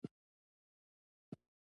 ما تر ننه ورته د مینې اظهار ونشو کړای.